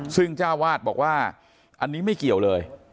ซึ่งเจ้าวาดบอกว่าอันนี้ไม่เกี่ยวเลย